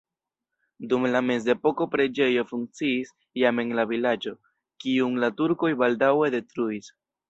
Dum la mezepoko preĝejo funkciis jam en la vilaĝo, kiun la turkoj baldaŭe detruis.